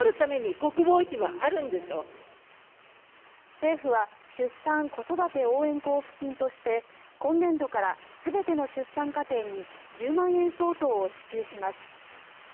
政府は出産・子育て応援交付金として今年度から全ての出産家庭に１０万円相当を支給します。